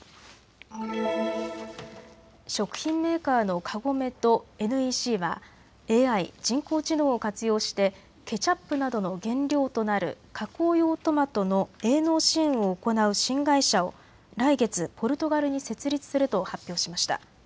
食品メーカーのカゴメとＮＥＣはＡＩ・人工知能を活用してケチャップなどの原料となる加工用トマトの営農支援を行う新会社を来月、ポルトガルに設立すると発表しました。